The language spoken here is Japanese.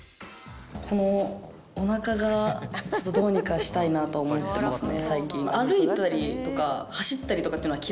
このおなかがちょっとどうにかしたいなと思ってますね